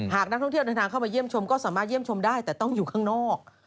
หากนักท่องเที่ยวเดินทางเข้ามาเยี่ยมชมก็สามารถเยี่ยมชมได้แต่ต้องอยู่ข้างนอก